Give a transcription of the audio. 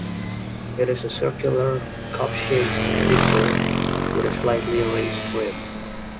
It is a circular, cup-shaped feature with a slightly raised rim.